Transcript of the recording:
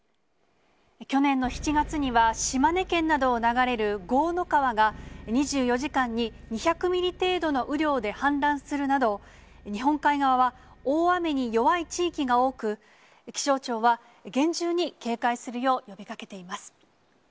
去年の７月には、島根県などを流れる江の川が、２４時間に２００ミリ程度の雨量で氾濫するなど、日本海側は大雨に弱い地域が多く、気象庁は厳重に警戒するよう呼びかけています。